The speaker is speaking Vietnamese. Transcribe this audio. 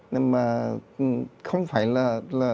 nên mà không phải là